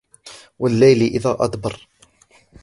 والليل إذ أدبر